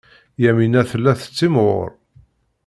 Yamina tella tettimɣur.